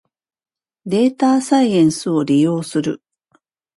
データサイエンスを利用する